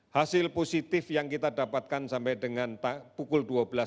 hasil positif yang kita dapatkan sampai dengan pukul dua belas tiga puluh